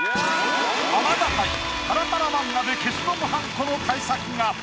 浜田杯パラパラ漫画で消しゴムはんこの大作が。